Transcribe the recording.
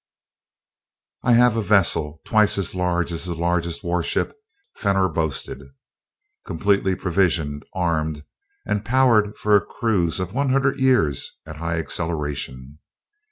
"I have a vessel twice as large as the largest warship Fenor boasted; completely provisioned, armed, and powered for a cruise of one hundred years at high acceleration.